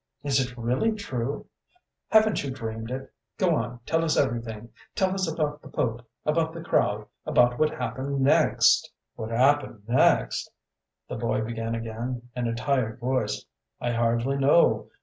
"Is it really true?" "Haven't you dreamed it?" "Go on, tell us everything. Tell us about the Pope, about the crowd, about what happened next"... "What happened next?" the boy began again, in a tired voice. "I hardly know.